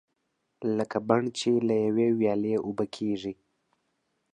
لکه بڼ چې له یوې ویالې اوبه کېږي.